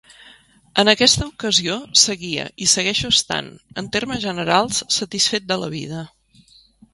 En aquesta ocasió seguia i segueixo estant, en termes generals, satisfet de la vida.